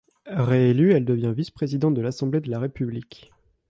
Réélue, elle devient vice-présidente de l'Assemblée de la République.